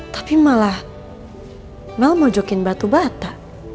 tapi malah mel mojokin batu bata